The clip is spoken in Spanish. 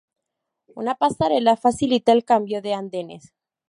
Una pasarela facilita el cambio de andenes.